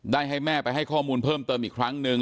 ให้แม่ไปให้ข้อมูลเพิ่มเติมอีกครั้งหนึ่ง